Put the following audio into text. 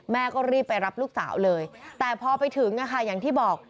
แม่ก็รีบไปรับลูกสาวเลยแต่พอไปถึงอย่างที่บอก